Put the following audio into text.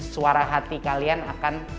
suara hati kalian akan